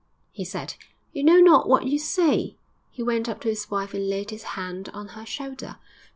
he said, 'you know not what you say!' He went up to his wife and laid his hand on her shoulder.